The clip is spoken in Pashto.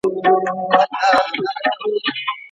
د لاس لیکنه د تحلیل او تجزیې توان لوړوي.